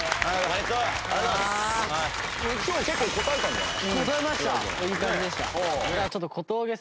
いい感じでした。